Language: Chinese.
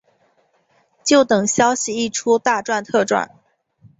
就等消息一出大赚特赚